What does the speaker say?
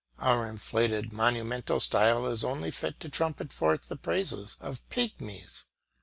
Our inflated monumental style is only fit to trumpet forth the praises of pygmies.